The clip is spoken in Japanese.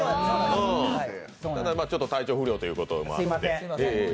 ただ、ちょっと体調不良ということもあって。